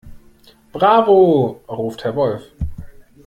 "Bravo!", ruft Herr Wolf.